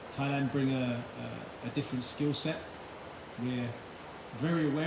kita memiliki keterampilan yang berbeda